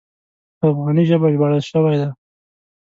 په افغاني ژبه ژباړل شوی دی.